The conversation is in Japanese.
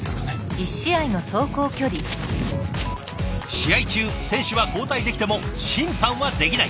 試合中選手は交代できても審判はできない。